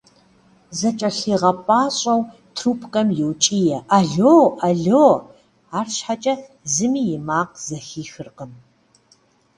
ЗэкIэлъигъэпIащIэу трубкэм йокIие: «Алло! Алло!» АрщхьэкIэ зыми и макъ зэхихыркъым.